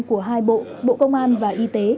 của hai bộ bộ công an và y tế